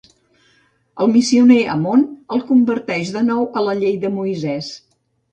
El missioner Ammon el converteix de nou a la Llei de Moisès.